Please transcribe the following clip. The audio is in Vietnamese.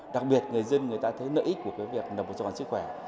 đặc biệt người dân người ta thấy nợ ích của cái việc lập hồ sơ khoản trẻ khỏe